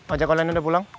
ojek online udah pulang